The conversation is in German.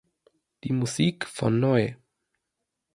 Die Musik von Neu!